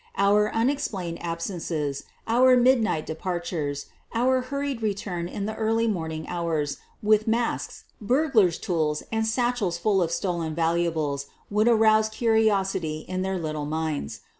Our unexplained absences, our mid night departures, our hurried return in the early horning hours with masks, burglars' tools, and latchels full of stolen valuables would arouse curios fcy in their little minds.